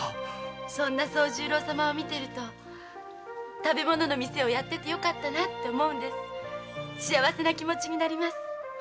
そんな惣十郎様を見ていると食べ物の店をやっててよかったと幸せな気持になります。